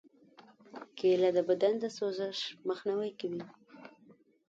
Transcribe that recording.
کېله د بدن د سوزش مخنیوی کوي.